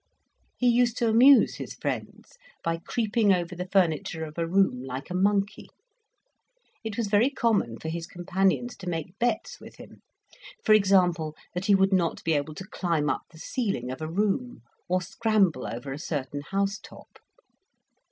He used to amuse his friends by creeping over the furniture of a room like a monkey. It was very common for his companions to make bets with him: for example, that he would not be able to climb up the ceiling of a room, or scramble over a certain house top.